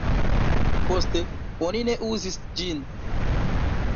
Poste oni ne uzis ĝin.